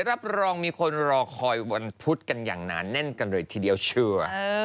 รับรองมีคนรอคอยวันพุธกันอย่างหนาแน่นกันเลยทีเดียวเชียว